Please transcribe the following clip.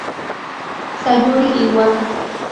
Sayuri Iwata